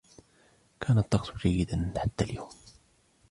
كان الطقس جيدا حتى اليوم.